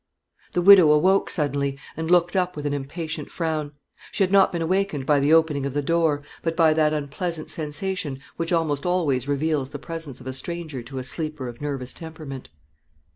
The widow awoke suddenly, and looked up with an impatient frown. She had not been awakened by the opening of the door, but by that unpleasant sensation which almost always reveals the presence of a stranger to a sleeper of nervous temperament.